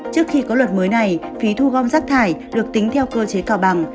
trước khi có luật mới này phí thu gom rác thải được tính theo cơ chế cao bằng